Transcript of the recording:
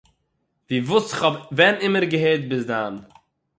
ווי וואָס כ'האָב ווען אימער געהערט ביז דאַן